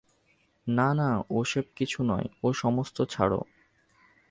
না না, ওসেব কিছু নয়, ও-সমস্ত ছাড়ো।